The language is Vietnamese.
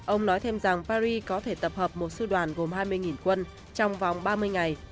ông nói thêm rằng paris có thể tập hợp một sư đoàn gồm hai mươi quân trong vòng ba mươi ngày